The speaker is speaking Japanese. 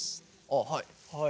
あっはい。